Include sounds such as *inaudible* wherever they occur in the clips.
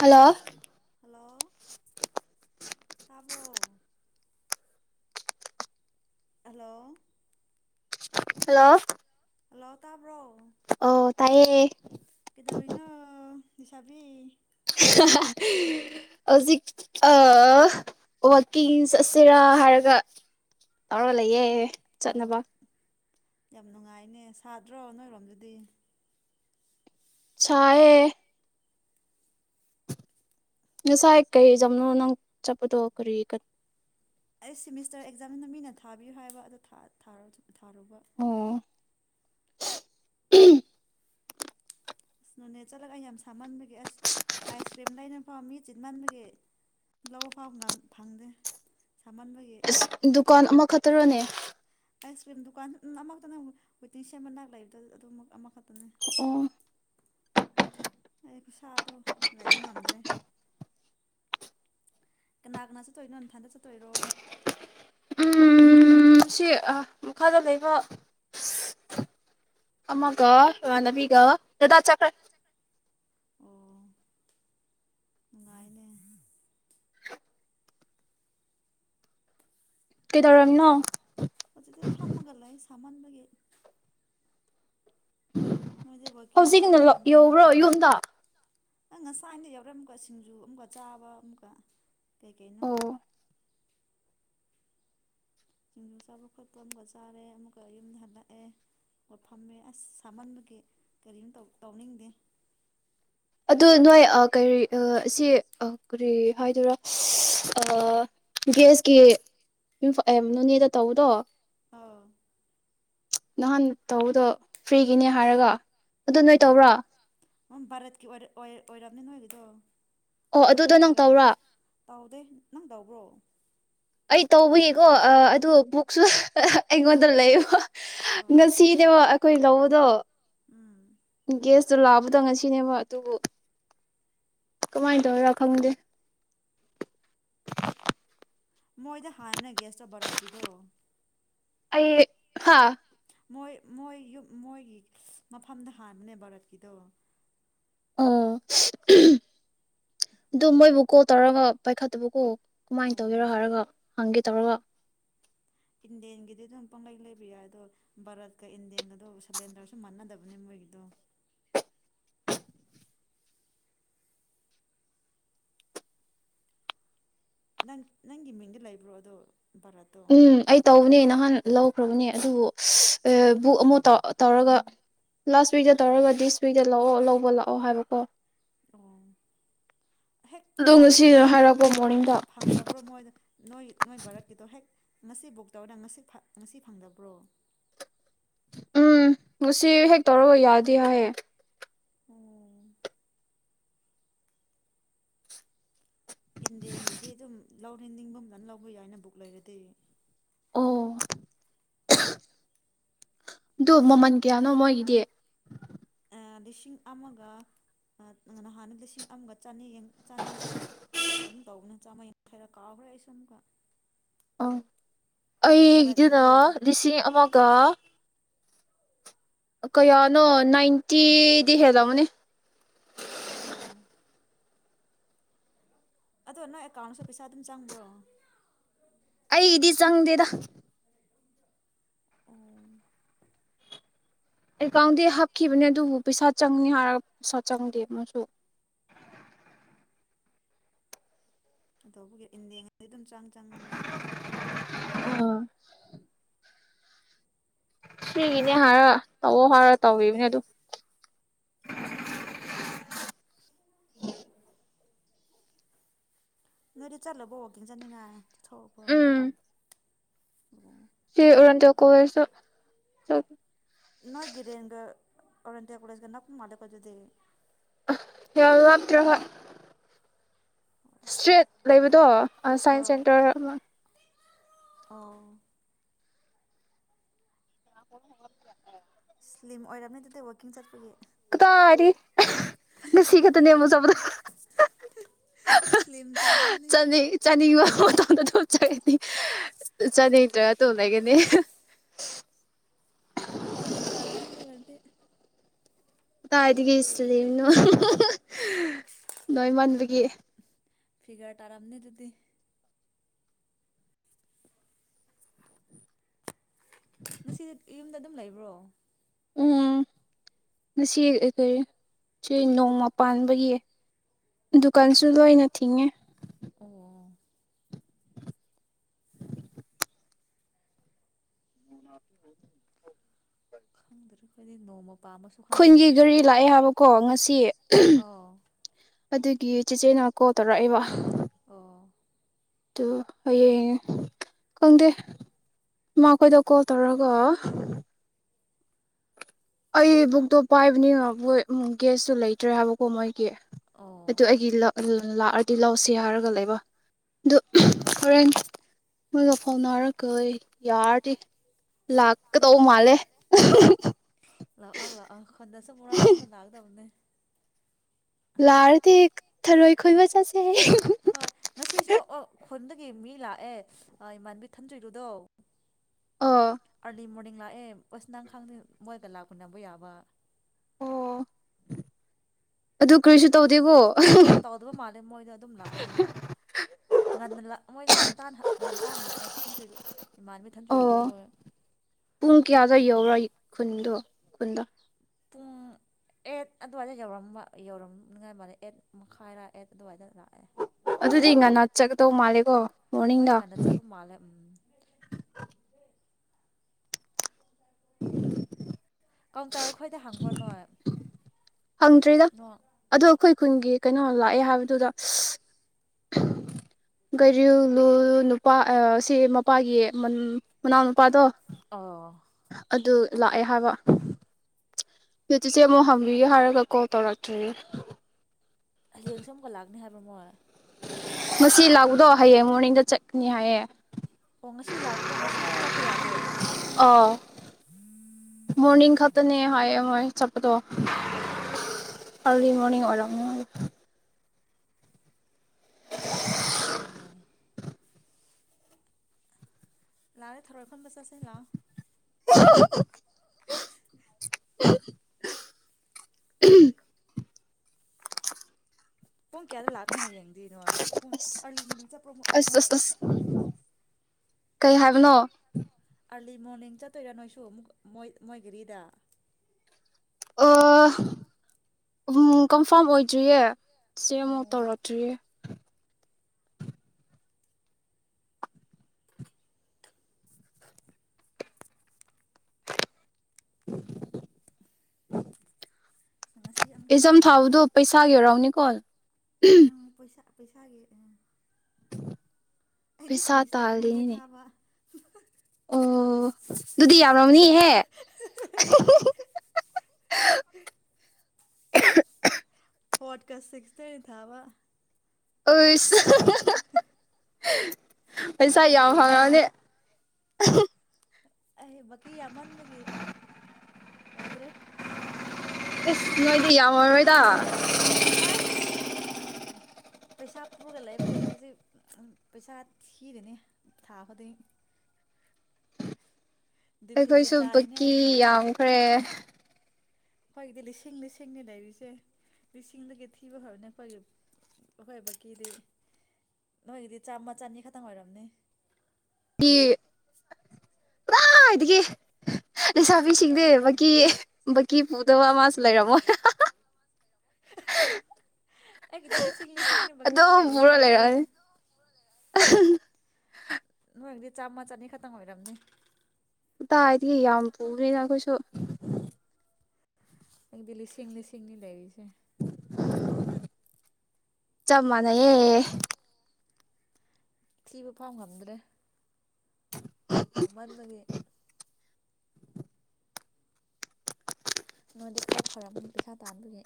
hello hello ꯇꯥꯕ꯭ꯔꯣ hello hello ꯂꯣꯇꯥꯥꯕ꯭ꯔꯣ ꯑꯣ ꯇꯌꯦ ꯁꯥꯕꯤ ꯍꯧꯖꯤꯛ ꯑ ꯋꯥꯋꯀꯤꯡ ꯆꯠꯁꯤꯔꯥ ꯍꯥꯏꯔꯒ ꯇꯧꯔ ꯂꯩꯌꯦꯦ ꯑꯣ ꯆꯠꯅꯕ ꯌꯥꯝ ꯅꯨꯡꯉꯥꯏꯅꯦ ꯁꯥꯗ꯭ꯔꯣ ꯅꯣꯏꯔꯣꯝꯗꯗꯤ ꯆꯑꯌꯦ ꯉꯁꯥꯏ ꯀꯩꯖꯝꯅ ꯅꯪ ꯆꯄꯗꯔꯤ ꯑꯩ ꯁꯤꯃꯤꯁꯇꯔ ꯑꯦꯛꯖꯥꯝꯁꯤꯅ ꯃꯤꯅ ꯊꯥꯕꯤꯌꯨ ꯍꯥꯏꯕ ꯑꯣ ꯊꯥꯔꯣ ꯊꯥꯔꯨꯕ ꯎꯝ ꯑꯁ ꯅꯣꯅꯦꯠ ꯆꯠꯂꯒ ꯑꯩ ꯌꯥꯝ ꯁꯥꯃꯟꯕꯒꯤ ꯑꯁ ꯑꯥꯏꯁ ꯀ꯭ꯔꯤꯝ ꯂꯩꯅꯕ ꯐꯥꯎ ꯃꯤ ꯆꯤꯟꯃꯟꯕꯒꯤ ꯂꯧꯕ ꯐꯥꯎ ꯐꯪꯗꯦ ꯁꯥꯃꯟꯕꯒꯤ ꯗꯨꯀꯥꯟ ꯃ ꯇꯔꯣꯅꯦ ꯑꯥꯏꯁ ꯀ꯭ꯔꯤꯝ ꯗꯨꯀꯥꯟ ꯑꯗꯨ ꯑꯃꯈꯛꯇꯅ ꯋꯤꯇꯤꯡ ꯁꯕꯅꯥꯛ ꯂꯩꯕꯗ ꯑꯗꯨꯝꯃꯛ ꯑꯃꯈꯛꯇꯅꯦ ꯑꯣ ꯑꯩ ꯈꯨꯠꯁꯥꯗꯣ ꯂꯩꯕ ꯉꯝꯗ꯭ꯔꯦ ꯀꯅꯥ ꯀꯅꯥ ꯆꯠꯇꯣꯏꯅꯣ ꯏꯝꯊꯥꯟꯗ ꯆꯠꯇꯣꯏꯔꯣ ꯃꯁꯤ ꯃꯈꯥꯗ ꯂꯩꯕ ꯑꯃꯒ ꯏꯃꯥꯟꯅꯕꯤꯒ ꯗꯗꯥ ꯆꯠꯈ꯭ꯔꯦ ꯑꯣ ꯉꯥꯏꯅꯦꯦ *inaudible* ꯀꯗꯧꯔꯝ ꯅ ꯃꯗꯤ ꯐꯝꯃꯒ ꯁꯃꯥꯟꯒ ꯋꯥꯛꯀꯤꯡꯒ ꯍꯧꯖꯤꯛꯅ ꯌꯧꯕ꯭ꯔꯣ ꯌꯨꯝꯗ ꯑꯩꯪ ꯉꯁꯥꯏ ꯑꯗ ꯌꯥꯎꯔꯝ ꯑꯃꯨꯀ ꯁꯤꯡꯖꯨ ꯑꯃꯛꯀ ꯆꯥꯕ ꯑꯃꯛꯀ ꯀꯩ ꯀꯩꯅꯣ ꯑꯣ ꯁꯤꯡꯖꯨ ꯆꯥꯕ ꯈꯣꯠꯄ ꯑꯃꯒ ꯆꯥꯔꯦ ꯑꯃꯛꯀ ꯌꯨꯝꯗ ꯍꯟꯂꯛꯑꯦ ꯑꯃ ꯐꯝꯃꯦ ꯑꯁ ꯁꯥꯃꯟꯕꯒꯤ ꯀꯔꯤꯣ ꯇꯧꯅꯤꯡꯗꯦ ꯑꯗꯨ ꯅꯣꯏ ꯀꯔꯤ ꯁꯤ ꯀꯔꯤ ꯍꯥꯏꯗꯔ ꯒꯦꯁꯀꯤ ꯅꯣꯅꯦꯗ ꯇꯧꯕꯗꯣ ꯑꯥ ꯅꯍꯥꯟ ꯇꯧꯕꯗꯣ ꯐ꯭ꯔꯤꯒꯤꯅꯦ ꯍꯥꯏꯔꯒ ꯑꯗꯨ ꯅꯣꯏ ꯎꯝ ꯇꯧꯕ꯭ꯔꯣ ꯚꯥꯔꯠꯀꯤ ꯑꯣꯏꯔꯕꯅꯤꯅ ꯑꯣꯏꯒꯤꯗꯣ ꯑꯣ ꯑꯗꯨꯗꯣ ꯅꯪ ꯚꯥꯔꯠꯀꯤꯔꯣ ꯇꯧꯕ꯭ꯔꯥ ꯇꯥꯎꯗꯦ ꯅꯪ ꯇꯧꯕ꯭ꯔꯣ ꯑꯩ ꯇꯧꯕꯒꯤꯀꯣ ꯑꯗꯨ ꯕꯨꯛꯁꯨ ꯑꯩꯉꯣꯟꯗ ꯂꯩꯌꯦꯕ ꯑꯥ ꯉꯁꯤꯅꯦꯕ ꯑꯩꯈꯣꯏ ꯂꯧ ꯗꯣ ꯎꯝ ꯦꯁ ꯑꯗꯨ ꯂꯥꯛꯑꯕꯨꯗꯪ ꯉꯁꯤꯅꯦꯕ ꯑꯗꯨꯕꯨ ꯀꯃꯥꯏꯅ ꯇꯧꯔꯥ ꯈꯪꯗꯦ ꯃꯣꯏꯗ ꯍꯥꯡꯅ ꯦꯁꯣ ꯔꯠ ꯀꯤꯗꯣ ꯑꯩ ꯍꯥ ꯃꯣꯏ ꯃꯣꯏ ꯃꯣꯏꯒꯤ ꯃꯐꯝꯗ ꯍꯥꯟꯕꯅꯦ ꯚꯥꯔꯠꯀꯤꯗꯣ ꯎ ꯑꯗꯨ ꯃꯣꯏꯕꯨ ꯀꯣ ꯇꯧꯔꯒ ꯄꯥꯏꯈꯠꯇꯕꯀꯣ ꯑꯣ ꯀꯃꯥꯏꯅ ꯇꯧꯒꯦꯔꯣ ꯍꯥꯏꯔꯒꯣ ꯍꯪꯦ ꯇꯧꯔ ꯋꯥ ꯏꯟꯗꯤꯌꯦꯟꯒꯤꯗꯤ ꯑꯗꯨꯝ ꯄꯨꯡꯂꯩ ꯂꯩꯕ ꯌꯥꯏ ꯑꯗꯣ ꯚꯥꯔꯠꯀ ꯏꯟꯗꯤꯌꯦꯟꯒꯗꯣ ꯁꯂꯦꯟꯗꯔꯁꯨ ꯃꯥꯟꯅꯗꯕꯅꯤ ꯃꯣꯏꯒꯤꯗꯣ ꯅꯪ ꯅꯪꯒꯤ ꯃꯤꯡꯗ ꯂꯩꯕ꯭ꯔꯣ ꯑꯗꯣ ꯚꯥꯔꯠꯇꯣ ꯎꯝ ꯑꯩ ꯇꯧꯕꯅꯦ ꯅꯍꯥꯟ ꯂꯧ ꯐꯈ꯭ꯔꯕꯅꯦ ꯑꯗꯨꯕꯨ ꯕꯨꯛ ꯑꯃꯨꯧ ꯇꯧꯔꯒ ꯂꯥꯁ ꯋꯤꯛꯇ ꯇꯧꯔꯒ ꯗꯤꯁ ꯋꯤꯛꯇ ꯂꯥꯛꯑꯣ ꯂꯧꯕ ꯂꯥꯛꯑꯣ ꯍꯥꯏꯕꯀꯣ ꯑꯣ ꯍꯦꯛ ꯑꯗꯣ ꯉꯁꯤ ꯂꯥꯄꯨꯒ ꯍꯦꯛ ꯍꯥꯏꯔꯛꯄ ꯃꯣꯔꯅꯤꯡꯗ ꯐꯪꯗꯕ꯭ꯔꯣ ꯃꯣꯏꯗ ꯅꯣꯏ ꯅꯣꯏ ꯚꯥꯔꯠꯀꯤꯗꯣ ꯍꯦꯛ ꯉꯁꯤ ꯕꯨꯛ ꯇꯧꯅ ꯉꯁꯤ ꯉꯁꯤ ꯐꯪꯗꯕ꯭ꯔꯣ ꯎꯝ ꯉꯁꯤ ꯍꯦꯛ ꯇꯧꯔꯒ ꯌꯥꯗꯦ ꯍꯥꯏꯌꯦ ꯎꯝ ꯏꯟꯗꯦꯟꯒꯤꯗꯤ ꯑꯗꯨꯝ ꯂꯧꯔꯦꯟ ꯅꯤꯡꯕꯝꯗꯅ ꯂꯧꯕ ꯌꯥꯏꯅ ꯕꯨꯛ ꯂꯩꯔꯗꯤ ꯑꯣ ꯑꯗꯨ ꯃꯃꯜ ꯀꯌꯥꯅꯣ ꯃꯣꯏꯒꯤꯗꯤ ꯆ ꯆꯅꯤꯔꯥ ꯑꯗꯨꯝ ꯇꯧꯅ ꯆꯥꯝꯃꯩꯅ ꯈꯔ ꯀꯥꯎꯈ꯭ꯔꯦ ꯑꯩꯁꯨ ꯑꯃꯨꯛꯀ ꯑ ꯑꯩꯁꯤꯅ ꯚꯥꯔꯠꯀꯤꯗꯤ ꯂꯤꯁꯤꯡ ꯑꯃꯒ ꯀꯌꯥꯅꯣ ꯅꯥꯏꯟꯇꯤꯗꯤ ꯍꯦꯜꯂꯝꯃꯅꯤ ꯑꯣ ꯑꯗꯣ ꯅꯪ ꯑꯦꯀꯥꯎꯟꯁꯨ ꯄꯩꯁꯥ ꯑꯗꯨꯝ ꯆꯪꯕ꯭ꯔꯣ ꯑꯩꯗꯤ ꯆꯪꯗꯦꯗ ꯑꯣ ꯑꯦꯀꯥꯎꯟꯗꯤ ꯍꯥꯞꯈꯤꯕꯅꯦ ꯑꯗꯨꯕꯨ ꯄꯩꯁꯥ ꯆꯪꯅꯤ ꯍꯥꯏꯔꯒ ꯄꯩꯁꯥ ꯆꯪꯗꯦ ꯃꯁꯨ ꯑꯕꯨꯒꯤ ꯏꯟꯗꯉꯗꯤ ꯑꯗꯨꯝ ꯆꯪ ꯆꯪꯗꯅꯦ ꯑꯣ ꯁꯤꯒꯤꯅꯦ ꯍꯥꯏꯔ ꯇꯧꯑꯣ ꯍꯥꯏꯔ ꯇꯧꯕꯅꯦ ꯑꯗꯨ ꯅꯨꯣꯏꯔꯤ ꯆꯠꯂꯣꯕꯣ ꯑꯣꯀꯦ ꯆꯅꯤꯡꯉ ꯊꯣꯛꯄ ꯎ ꯁꯤꯔꯟꯗ ꯀꯣꯋꯁ ꯅ ꯒꯤꯔꯦꯒ ꯑꯔꯇ ꯀꯂꯦꯁꯒꯅ ꯃꯥꯂ ꯀ ꯑꯣꯏꯗꯗꯤꯦ ꯌꯥꯃ ꯇꯍ ꯏꯁꯇ꯭ꯔꯦꯠ ꯂꯩꯕꯗꯣ ꯁꯥꯏꯟꯁ ꯑꯥ ꯁꯦꯟꯇꯔ ꯑꯃ ꯑꯣ ꯑ ꯍ ꯍ ꯌꯥ ꯐꯂꯤꯝ ꯑꯣꯏꯔꯕꯅꯤ ꯑꯗꯨꯗꯤ ꯋꯀꯤꯡ ꯆꯠꯄꯒꯤ ꯇꯔꯤ ꯉꯁꯤ ꯈꯛꯇ ꯅꯦꯝꯃꯣ ꯆꯠꯕꯗ ꯁ꯭ꯂꯤꯝ ꯇꯥꯔꯝꯅꯤ ꯆꯅꯤ ꯆꯥꯅꯤꯡ ꯃꯇꯗ ꯊꯣꯛꯆꯔꯗꯤ ꯆꯥꯅꯤ ꯇꯔꯥ ꯇꯣꯂꯒꯅꯤ ꯂꯤꯝ ꯇꯔꯝꯅ ꯂ ꯑꯣꯏꯔꯗꯤ ꯀꯗꯥꯥꯏꯗꯒꯤ ꯁꯤꯜꯂꯤꯔꯤꯅꯣ ꯅꯣꯏ ꯃꯥꯟꯕꯒꯤ ꯐꯤꯒꯔ ꯇꯥꯔꯥꯝꯅꯤ ꯑꯗꯨꯗꯤ ꯉꯁꯤꯗꯤ ꯌꯨꯝꯗ ꯑꯗꯨꯝ ꯂꯩꯕ꯭ꯔꯣ ꯎꯝ ꯉꯁꯤꯔꯤ ꯆꯦ ꯅꯣꯡꯃ ꯄꯥꯟꯕꯒꯤ ꯀꯥꯟꯁꯨꯗꯏ ꯅꯉꯦ ꯑꯣ ꯃ ꯈꯪꯗ꯭ꯔ ꯈꯣꯏꯗꯤ ꯅꯣꯡꯃ ꯄꯥꯝꯕꯁꯨ ꯈꯪꯗ꯭ꯔꯦ ꯈꯨꯟꯒꯤ ꯒꯥꯔꯤ ꯂꯥꯛꯑꯦ ꯍꯥꯏꯕꯀꯣ ꯉꯁꯤ ꯑꯧ ꯑꯗꯨꯒꯤ ꯆꯦꯆꯦꯅ ꯀꯣꯜ ꯇꯧꯔꯛꯏꯕ ꯑꯣ ꯑ ꯍꯌꯦꯡ ꯈꯪꯗꯦ ꯃꯥꯈꯣꯏꯗ ꯀꯣꯜ ꯇꯧꯔꯒ ꯑꯩꯕꯨꯛꯛꯇꯣ ꯄꯥꯏꯕꯅꯤ ꯎꯝ ꯒꯦꯁꯁꯨꯨ ꯂꯩꯇ꯭ꯔꯦ ꯍꯥꯏꯕꯀꯣ ꯃꯣꯏꯒꯤ ꯑꯣ ꯑꯗꯨ ꯑꯩꯒꯤ ꯂꯑ ꯗꯤ ꯂꯧꯥꯎꯁꯤ ꯍꯥꯏꯔꯒ ꯂꯩꯕ ꯑꯗꯨ ꯍꯣꯔꯦꯟ ꯃꯣꯏꯒ ꯐꯥꯎꯅꯔꯒꯣꯏ ꯌꯥꯔꯗꯤ ꯂꯥꯛꯀꯗꯧꯕ ꯃꯥꯜꯂꯦ ꯂꯥꯛꯑꯣ ꯂꯥꯛꯑꯣꯥ ꯈꯟꯗꯁꯨ ꯃꯔꯥ ꯃꯉꯥ ꯇ ꯂꯅꯥꯥꯛꯗꯕꯅꯦꯦ ꯂꯥꯔꯗꯤ ꯊꯔꯣꯏ ꯈꯣꯏꯕ ꯆꯠꯁꯦ ꯐꯟꯗꯒꯤ ꯃꯤ ꯂꯥꯛꯑꯦ ꯏꯃꯥꯟꯕꯤ ꯊꯝꯗ꯭ꯔꯤꯗꯨꯗꯣ ꯑꯥ ꯑ ꯃꯣꯔ ꯂꯥꯛꯑꯦ ꯑꯁ ꯅꯪꯈꯥꯡꯗ ꯃꯣꯏꯗ ꯂꯥꯛꯄ ꯅꯅꯕ ꯌꯥꯕ ꯑꯣ ꯑꯗꯨ ꯀꯔꯤꯁꯨ ꯇꯧꯗꯦꯕꯣ ꯇꯧꯗꯕ ꯃꯥꯜꯂꯦ ꯃꯣꯏꯗꯣ ꯑꯗꯨꯝ ꯂꯥꯛꯑꯦ ꯉꯟ ꯃꯣꯏꯗꯣ ꯉꯟꯇꯥꯅ ꯉꯟꯇꯥꯅ ꯂꯥꯛꯑꯦ ꯏꯃꯥꯟꯕꯤ ꯑꯣ ꯊꯟꯖꯨꯔꯨꯗ ꯃꯣꯏ ꯄꯨꯡ ꯀꯌꯥꯗ ꯌꯧꯔ ꯈꯨꯟꯗꯣ ꯈꯨꯟꯗ ꯄꯨꯡ ꯑꯦꯠ ꯑꯗꯨꯋꯥꯏꯗ ꯌꯧꯔꯝꯕ ꯌꯧꯔꯝꯅꯤꯉꯥꯏ ꯃꯥꯗ ꯑꯦꯠ ꯃꯈꯥꯏꯔꯥ ꯑꯦꯠ ꯑꯗꯨꯋꯥꯏꯗ ꯂꯥꯛ ꯑꯗꯨꯗꯤ ꯉꯟꯅ ꯆꯠꯀꯗꯧ ꯃꯥꯜꯂꯦꯀꯣ ꯃꯣꯏ ꯃꯣꯔꯅꯤꯡꯗ ꯉꯟꯅ ꯆꯠꯄ ꯃꯥꯜꯂꯦ ꯎꯝ *inaudible* ꯀ ꯇꯔꯈꯣꯏꯗ ꯍꯥꯡꯕ꯭ꯔ ꯅꯣꯏ ꯍꯪꯗ꯭ꯔꯤꯗ ꯅꯣꯏ ꯑꯗꯣ ꯑꯩꯈꯣꯏ ꯈꯨꯟꯒꯤ ꯀꯩꯅꯣ ꯂꯥꯛꯑꯦ ꯍꯥꯏꯕꯗꯨꯗ ꯒꯩꯔꯤꯂꯨ ꯅꯨꯄꯥ ꯁꯤ ꯃꯄꯥꯒꯤ ꯃꯅꯥꯎ ꯅꯨꯄꯥꯗꯣ ꯑ ꯑꯗꯨ ꯂꯥꯛꯑꯦ ꯍꯥꯏꯕ ꯑꯗꯨ ꯆꯆꯦ ꯑꯃꯨꯛ ꯍꯪꯕꯤꯒꯦ ꯍꯥꯏꯔꯒ ꯀꯣꯜ ꯇꯧꯔꯛꯇ꯭ꯔꯤ ꯂꯌꯦꯡ ꯁꯝꯒ ꯂꯥꯛꯅꯤ ꯍꯥꯏꯕꯣꯃꯣ ꯉꯁꯤ ꯂꯥꯛꯕꯗꯣ ꯍꯌꯦꯡ ꯃꯣꯔꯅꯤꯡꯗ ꯆꯠꯀꯅꯤ ꯍꯥꯏꯌꯦ ꯑꯣ ꯉꯁꯤ ꯂꯥꯛꯎꯗꯣ ꯉꯁꯤ ꯆꯠꯄ ꯌꯥꯗꯦ ꯎ ꯑꯥ ꯠꯇꯅꯦ ꯍꯥꯏꯌꯦ ꯃꯣꯏ ꯆꯄꯗꯣ ꯑꯣ ꯑꯔꯂꯤ ꯃꯣꯔꯅꯤꯡ ꯑꯣꯏꯔꯣ ꯅꯨꯡꯉꯥꯏꯇꯦꯅꯦ ꯂꯥꯛꯑꯦ ꯊꯔꯣꯏꯈꯣꯟꯕ ꯆꯠꯁ ꯂꯥꯛꯑꯣ ꯎꯝ ꯄꯨꯡ ꯀꯌꯥꯗ ꯂꯥꯛꯅꯣ ꯍꯌꯦꯡꯗꯤꯅꯣ ꯄꯨꯡ ꯑꯁ ꯑꯥꯔꯂꯤ ꯃꯣꯔꯅꯤꯡ ꯆꯄ ꯑꯁ ꯑꯁ ꯑꯁ ꯀꯩ ꯍꯥꯏꯕꯅꯣ ꯑꯥꯔꯂꯤ ꯃꯣꯔꯅꯤꯡ ꯆꯠꯇꯣꯏꯔꯥ ꯅꯣꯏꯁꯨꯨꯛꯣꯏ ꯃꯣꯏꯒꯤꯔꯤꯗ ꯑ ꯎꯝ ꯀꯟꯐꯥꯔꯝ ꯑꯣꯏꯗ꯭ꯔꯤꯌꯦ ꯆꯦ ꯑꯣ ꯑꯃꯨꯛ ꯇꯧꯔꯛꯇ꯭ꯔꯤ *inaudible* ꯉꯁꯤ ꯑꯃꯨꯛꯀ ꯑꯦꯖꯝ ꯂꯥꯛꯑꯒ ꯉꯁꯤ ꯊꯥꯕꯗꯣ ꯄꯩꯁꯥꯒꯤ *unintelligible* *unintelligible* ꯎꯝ ꯄꯩꯁꯥ ꯄꯩꯁꯥꯒꯦ ꯎ *inaudible* ꯑꯩꯗꯤ ꯄꯩꯁꯥ ꯁꯤꯃꯤꯁꯇꯔ ꯑꯅꯤꯅꯦ ꯇꯥꯜꯂꯤꯅꯤꯅꯦ ꯊꯥꯕ ꯑꯣ ꯑꯗꯨꯗꯤ ꯌꯥꯝꯔꯝꯅꯤꯍꯦ ꯐꯣꯔꯠꯀ ꯁꯤꯛꯀꯅꯦ ꯊꯥꯕ ꯑꯩꯁ ꯄꯩꯁꯥ ꯌꯥꯝ ꯍꯥꯡꯉꯛꯑꯅꯦ ꯑꯩ ꯕꯀꯤ ꯌꯥꯝꯃꯟꯕꯒꯤ ꯌꯥꯗ꯭ꯔꯦ ꯑꯦꯁ ꯅꯣꯏꯗꯤ ꯌꯥꯝꯃꯝꯔꯣꯏꯗ ꯑꯁ ꯄꯩꯁꯥ ꯄꯨꯔꯒ ꯂꯩ ꯍꯧꯖꯤꯛ ꯄꯩꯁꯥ ꯊꯤꯔꯦꯅꯦ ꯊꯥ ꯈꯨꯗꯤꯡ ꯗꯤꯐꯤꯖꯤꯠ ꯑꯩꯈꯣꯏꯁꯨ ꯇꯥꯔꯤꯅꯦ ꯕꯛꯀꯤ ꯑꯩꯈꯣꯏ ꯌꯥꯝꯈ꯭ꯔꯦ ꯑꯩꯈꯣꯏꯒꯤꯗꯤ ꯂꯤꯁꯤꯡ ꯂꯤꯁꯤꯡꯅꯤ ꯂꯩꯔꯤꯁꯦ ꯂꯤꯁꯤꯡꯗꯒꯤ ꯊꯤꯕ ꯍꯧꯔꯤꯅꯤ ꯑꯩꯈꯣꯏꯒꯤ ꯑꯩꯈꯣꯏ ꯕꯛꯀꯤꯗꯤ ꯅꯣꯏꯒꯤꯗꯤ ꯆꯥꯝꯃ ꯆꯅꯤ ꯈꯛꯇꯪ ꯑꯣꯏꯔꯝꯅꯤ ꯀꯗꯥꯏꯗꯒꯤ ꯂꯩꯁꯥꯕꯤꯁꯤꯡꯗꯦ ꯕꯛꯀꯤ ꯕꯛꯀꯤ ꯄꯨꯗꯕ ꯑꯃꯁꯨ ꯂꯩꯔꯝꯃꯣꯏ ꯑꯩꯒꯤꯗꯤ ꯂꯤꯁꯤꯡ ꯂꯤꯁꯤꯡꯅꯦ ꯕꯥꯀꯤꯁꯤ ꯑꯗꯨꯝ ꯄꯨꯔ ꯂꯩꯥꯔꯤꯁꯤ ꯂꯩꯔꯛꯑꯅꯤ ꯍꯧꯖꯤꯛ *inaudible* ꯅꯣꯏꯗꯤ ꯆꯥꯝꯃ ꯆꯅꯤ ꯈꯛꯇꯪ ꯑꯣꯏꯔꯝꯅꯤ ꯀꯗꯥꯏꯗꯒꯤ ꯌꯥꯝ ꯄꯨꯕꯅꯤꯅ ꯑꯈꯣꯏꯁꯨ ꯑꯩꯗꯤ ꯂꯤꯁꯤꯡ ꯂꯤꯁꯤꯡꯅꯤ ꯂꯩꯔꯤꯁꯦ ꯆꯞ ꯃꯥꯟꯅꯩꯌꯦ ꯊꯤꯕ ꯐꯧ ꯉꯝꯗ꯭ꯔꯦ ꯌꯥꯝ ꯃꯟꯕꯒꯤ ꯅꯣꯏꯗꯤ ꯈꯔ ꯐꯔꯝꯅꯤ ꯄꯩꯁꯥ ꯇꯥꯟꯕꯒꯤ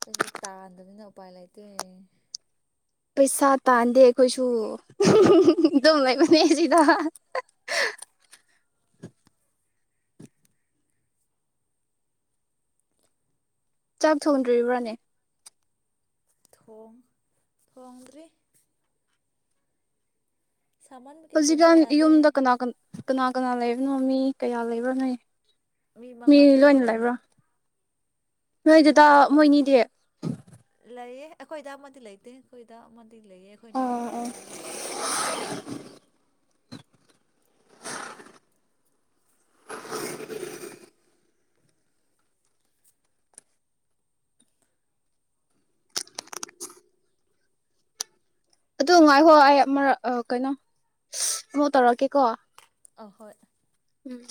ꯑꯈꯣꯢꯗꯤ ꯇꯥꯟꯗꯕꯅꯤꯅ ꯎꯄꯥꯏ ꯂꯩꯇꯦ ꯄꯩꯁꯥ ꯇꯥꯟꯗꯦ ꯑꯩꯈꯣꯏꯁꯨ ꯗꯨꯝ ꯂꯩꯕꯅꯦ ꯁꯤꯗ ꯆꯥꯛ ꯊꯣꯡꯗ꯭ꯔꯤꯕ꯭ꯔꯥꯅꯦ ꯊꯣꯡ ꯊꯣꯡꯗ꯭ꯔꯤ ꯁꯥꯃꯟꯕꯒꯤ ꯊꯣꯡꯕ ꯍꯧꯖꯤꯛꯀꯥꯟ ꯌꯥꯗꯦ ꯀꯅꯥ ꯀꯅꯥ ꯂꯩꯕꯅꯣ ꯃꯤ ꯀꯌꯥ ꯂꯩꯕ꯭ꯔꯥ ꯅꯣꯏ ꯃꯤ ꯃꯉꯥ ꯇꯔꯨꯛ ꯂꯣꯏꯅ ꯂꯩ ꯂꯩꯕ꯭ꯔꯣ ꯅꯣꯏ ꯗꯗꯥ ꯃꯣꯏꯅꯤꯗꯤ ꯂꯩꯌꯦ ꯑꯩꯈꯣꯏꯗꯥ ꯑꯃꯗꯤ ꯂꯩꯇꯦ ꯑꯩꯈꯣꯏꯗꯥꯥ ꯑꯃ ꯂꯩꯌꯦ ꯑꯈꯣꯢ ꯢꯅꯥꯥꯎꯅꯨꯄꯥ ꯑꯣ ꯂꯩꯌꯦ ꯑꯗꯨ ꯉꯥꯏꯍꯣ ꯑꯩ ꯑꯃꯔꯛ ꯑꯥ ꯀꯩꯅꯣ ꯑꯃꯨꯛ ꯇꯧꯔꯛꯀꯦꯀꯣ ꯑꯍꯣꯏ ꯎꯝ